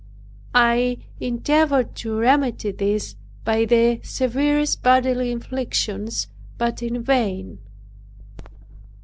I endeavored to remedy this by the severest bodily inflictions, but in vain.